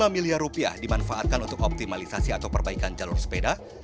lima miliar rupiah dimanfaatkan untuk optimalisasi atau perbaikan jalur sepeda